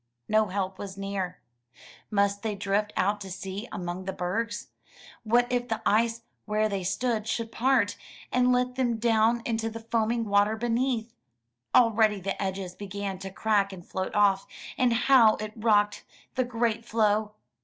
No help was near. Must they drift out to sea among the bergs? What if the ice where they stood should part, and let them down into the foaming water beneath! Already the edges began to crack and float off. And how it rocked, — the great floe!